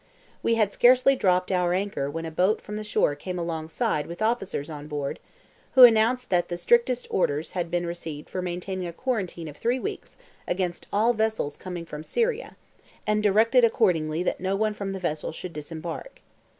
We had scarcely dropped our anchor when a boat from the shore came alongside with officers on board, who announced that the strictest orders had been received for maintaining a quarantine of three weeks against all vessels coming from Syria, and directed accordingly that no one from the vessel should disembark.